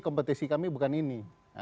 kompetisi kami bukan ini